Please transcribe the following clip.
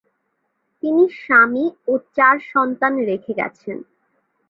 তিনি স্বামী ও চার সন্তান রেখে গেছেন।